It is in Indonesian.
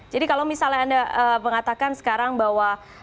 jadi kalau misalnya anda mengatakan sekarang bahwa